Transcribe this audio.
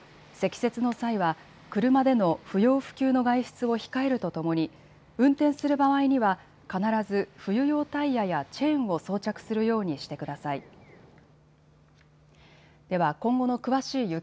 積雪の際は車での不要不急の外出を控えるとともに運転する場合には必ず冬用タイヤやチェーンを装着するようにしてください。